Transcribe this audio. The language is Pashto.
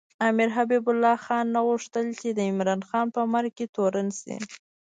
امیر حبیب الله خان نه غوښتل چې د عمراخان په مرګ کې تورن شي.